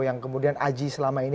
yang kemudian aji selama ini